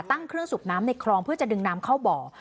ตั้งเครื่องสูบน้ำในคลองเพื่อจะดึงน้ำเข้าบ่อ